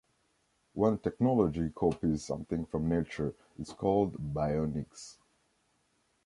When technology copies something from nature, it's called bionics.